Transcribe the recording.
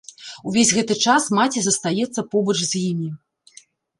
Увесь гэты час маці застаецца побач з імі.